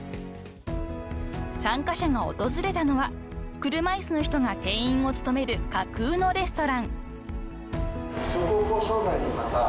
［参加者が訪れたのは車いすの人が店員を勤める架空のレストラン］